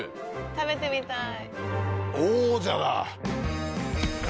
食べてみたい。